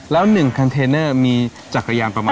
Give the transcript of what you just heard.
แล้ว๑คันเทนเนอร์มีจักรยานประมาณ